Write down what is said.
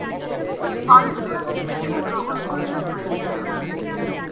অন্ধভাবে কিছুই গ্রহণ করিলে চলিবে না।